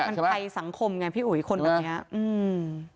มันภัยสังคมไงพี่อุ๋ยคนแบบเนี้ยอืม